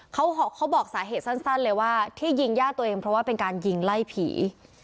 เขาบอกสาเหตุสั้นเลยว่าที่ยิงย่าตัวเองเพราะว่าเป็นการยิงไล่ผี